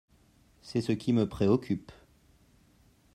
C’est ce qui me préoccupe.